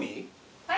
はい？